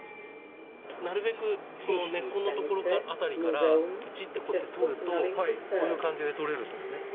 なるべくこの根っこのところ辺りからぷちってこうやって取ると、こういう感じで取れるんですね。